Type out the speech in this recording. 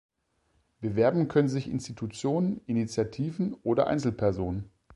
Bewerben können sich Institutionen, Initiativen oder Einzelpersonen.